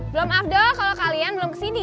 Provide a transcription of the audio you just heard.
belum afdol kalau kalian belum kesini